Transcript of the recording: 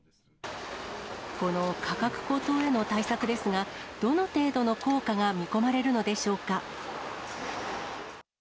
この価格高騰への対策ですが、どの程度の効果が見込まれるのでしょうか。